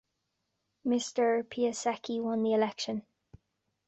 Mr. Piasecki won the election.